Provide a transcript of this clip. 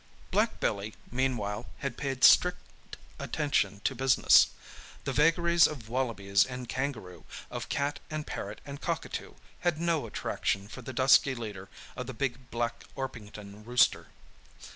Black Billy, meanwhile, had paid strict attention to business. The vagaries of wallabies and kangaroo, of cat and parrot and cockatoo, had no attraction for the dusky leader of the big black Orpington rooster.